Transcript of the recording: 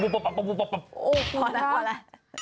พอแล้ว